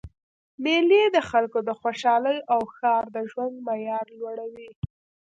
میلې د خلکو د خوشحالۍ او ښار د ژوند معیار لوړوي.